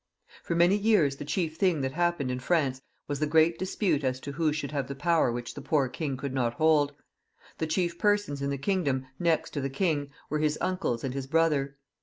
For many years the chief thing that happened in France was the great dispute as to who should have the power which the poor king could not hold. The chief persons in the kingdom, next to the king, were his uncles and his brother.